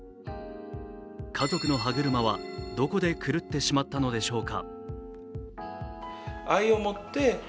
家族の歯車はどこで狂ってしまったのでしょうか。